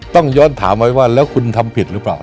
ต้องย้อนถามไว้ว่าแล้วคุณทำผิดหรือเปล่า